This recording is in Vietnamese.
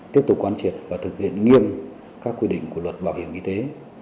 tiếp tục quan triệt và thực hiện nghiêm các quy định của luật bảo hiểm y tế